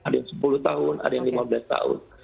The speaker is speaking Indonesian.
ada yang sepuluh tahun ada yang lima belas tahun